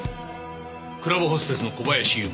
クラブホステスの小林由美。